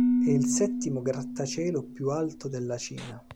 E' il settimo grattacielo più alto della Cina.